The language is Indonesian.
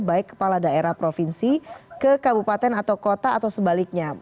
baik kepala daerah provinsi ke kabupaten atau kota atau sebaliknya